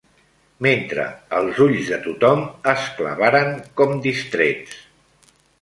...mentre els ulls de tothom es clavaren com distrets